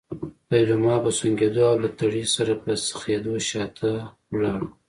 ليلما په سونګېدو او له تړې سره په څخېدو شاته لاړه.